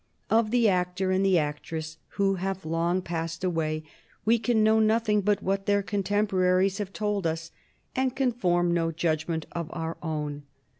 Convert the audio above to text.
Of the actor and the actress who have long passed away we can know nothing but what their contemporaries have told us, and can form no judgment of our own.